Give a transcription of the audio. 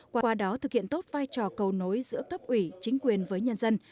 qua đó thực hiện tốt vai trò cầu nối giữa cấp ủy chính quyền với nhân dân